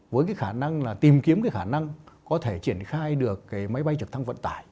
với cái khả năng là tìm kiếm cái khả năng có thể triển khai được cái máy bay trực thăng vận tải